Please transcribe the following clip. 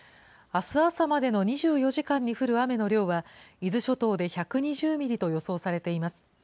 あす朝までの２４時間に降る雨の量は、伊豆諸島で１２０ミリと予想されています。